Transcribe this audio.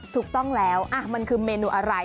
ถูกต้องแล้วมันคือเมนูอะไร